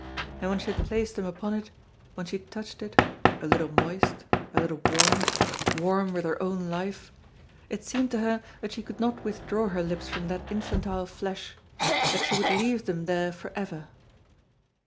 And when she had placed them upon it, when she touched it, a little moist, a little warm, warm with her own life, it seemed to her that she could not withdraw her lips from that infantile flesh, that she would leave them there forever.